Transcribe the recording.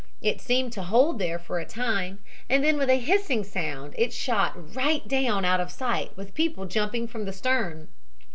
It seemed to hold there for a time and then with a hissing sound it shot right down out of sight with people jumping from the stern.